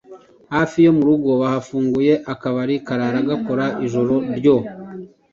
Hafi yomurugo bahafunguye akabari karara gakora ijoro ryoe